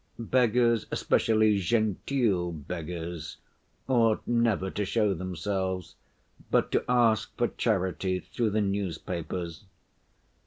Beggars, especially genteel beggars, ought never to show themselves, but to ask for charity through the newspapers.